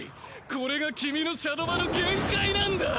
これが君のシャドバの限界なんだ！